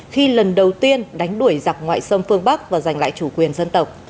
khi lần đầu tiên đánh đuổi dọc ngoại sông phương bắc và giành lại chủ quyền dân tộc